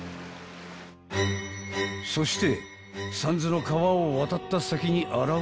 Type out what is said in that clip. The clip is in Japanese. ［そして］